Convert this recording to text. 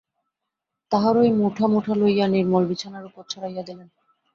তাহারই মুঠা মুঠা লইয়া নির্মল বিছানার উপর ছড়াইয়া দিলেন।